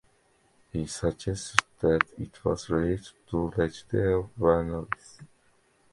He suggested that it was related to "Lecidea vernalis".